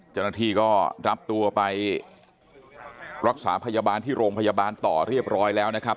เจ้าหน้าที่ก็รับตัวไปรักษาพยาบาลที่โรงพยาบาลต่อเรียบร้อยแล้วนะครับ